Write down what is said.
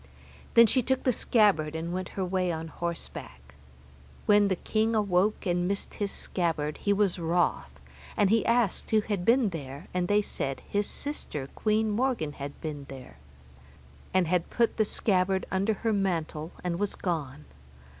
Then she took the scabbard and went her way on horseback. When the king awoke and missed his scabbard, he was wroth, and he asked who had been there, and they said his sister, Queen Morgan had been there, and had put the scabbard under her mantle and was gone.